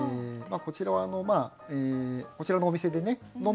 こちらはこちらのお店でねのん